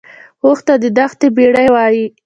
اوښ ته د دښتې بیړۍ وایي